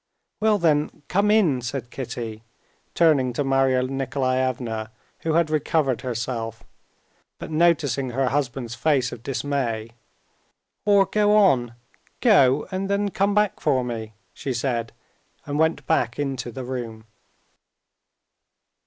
"Well then, come in," said Kitty, turning to Marya Nikolaevna, who had recovered herself, but noticing her husband's face of dismay, "or go on; go, and then come for me," she said, and went back into the room.